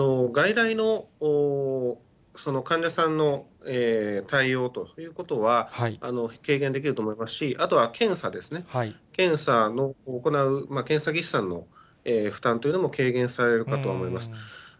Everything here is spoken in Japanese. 外来の患者さんの対応ということは、軽減できると思いますし、あとは検査ですね、検査を行う、検査技師さんの負担というのも軽減されるかとは思います。